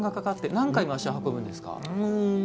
何回足を運ぶんですか？